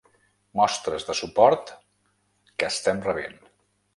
Mostres de suport que estem rebent.